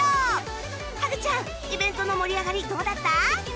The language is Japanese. ハグちゃんイベントの盛り上がりどうだった？